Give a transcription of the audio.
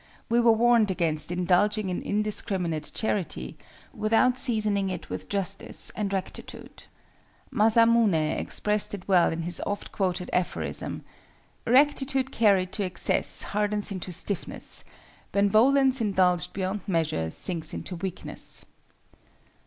We were warned against indulging in indiscriminate charity, without seasoning it with justice and rectitude. Masamuné expressed it well in his oft quoted aphorism—"Rectitude carried to excess hardens into stiffness; Benevolence indulged beyond measure sinks into weakness."